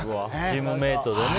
チームメートでね。